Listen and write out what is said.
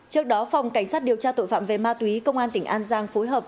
trước đó phòng cảnh sát điều tra tội phạm về ma túy công an tỉnh an giang phối hợp